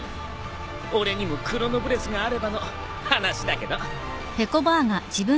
俺にもクロノブレスがあればの話だけど。